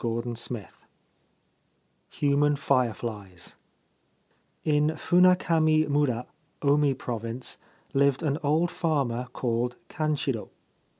O 281 XLIV HUMAN FIREFLIES IN Funakami mura, Omi Province, lived an old farmer called Kanshiro.